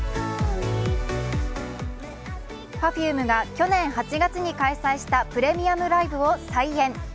Ｐｅｒｆｕｍｅが去年８月に開催したプレミアムライブを再現。